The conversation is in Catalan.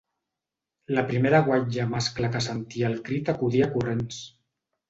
La primera guatlla mascle que sentia el crit acudia corrents